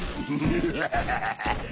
ウハハハハハ！